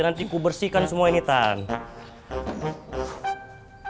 nanti aku bersihkan semua ini tante